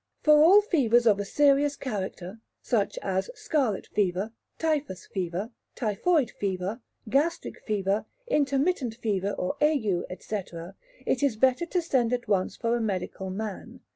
For all fevers of a serious character, such as scarlet fever, typhus fever, typhoid fever, gastric fever, intermittent fever, or ague, &c., it is better to send at once for a medical man.